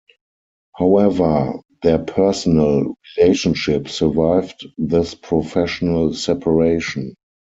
However, their personal relationship survived this professional separation.